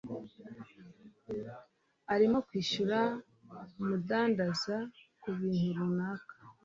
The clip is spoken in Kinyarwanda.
arimo kwishyura umudandaza kubintu runaka.